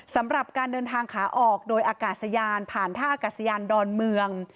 สำหรับการเดินทางขาออกโดยอากาศยานผ่านท่าอากาศยานดอนเมือง